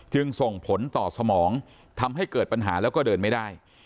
จึงส่งผลต่อสมองทำให้เกิดปัญหาแล้วก็เดินไม่ได้